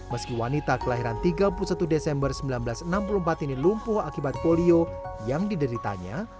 meski wanita kelahiran tiga puluh satu desember seribu sembilan ratus enam puluh empat ini lumpuh akibat polio yang dideritanya